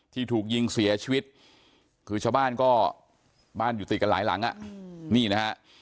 ที่ถูกยิงเสียชีวิตคือชาวบ้านก็บ้านอยู่ติดกันหลายหลังนี่นะฮะ